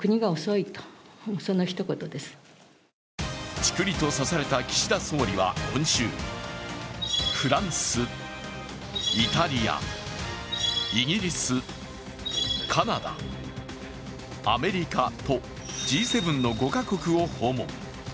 チクリと刺された岸田総理は今週、フランス、イタリア、イギリス、カナダ、アメリカとＧ７の５か国を訪問。